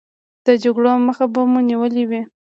د جګړو مخه به مو نیولې وي.